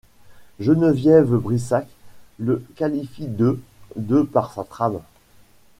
Geneviève Brisac le qualifie de de par sa trame.